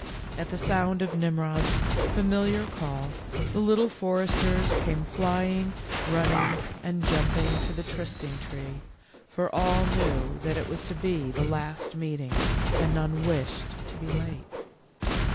At the sound of Nimrod' s familiar call the Little Foresters came flying, running, and 148 THE LITTLE FORESTERS. jumping to the try sting tree, for all knew that it was to be the last meeting, and none wished to be late.